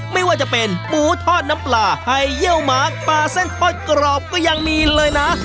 ไม่ว่าจะเป็นหมูทอดน้ำปลาไฮเยี่ยวหมากปลาเส้นทอดกรอบก็ยังมีเลยนะ